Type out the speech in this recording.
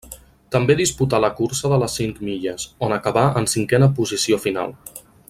També disputà la cursa de les cinc milles, on acabà en cinquena posició final.